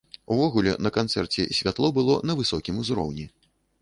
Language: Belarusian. Увогуле, на канцэрце святло было на высокім ўзроўні.